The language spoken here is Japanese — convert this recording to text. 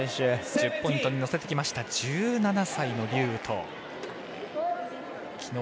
１０ポイントに乗せてきた１７歳の劉禹とう。